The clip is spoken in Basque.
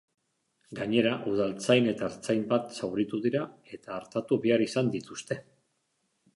Gainera, udaltzain eta ertzain bat zauritu dira eta artatu behar izan dituzte.